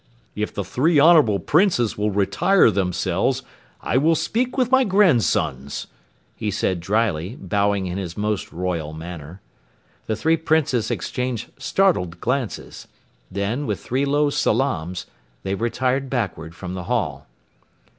"If the three honorable Princes will retire themselves, I will speak with my grandsons," he said dryly, bowing in his most royal manner. The three Princes exchanged startled glances. Then, with three low salaams, they retired backward from the hall.